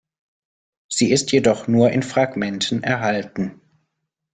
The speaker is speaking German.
Sie ist jedoch nur in Fragmenten erhalten.